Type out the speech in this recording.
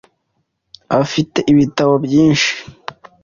Afite ibitabo byinshi .